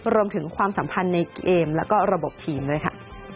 ความสัมพันธ์ในเกมแล้วก็ระบบทีมด้วยค่ะ